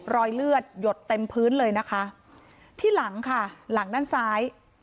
รอยเลือดหยดเต็มพื้นเลยนะคะที่หลังค่ะหลังด้านซ้าย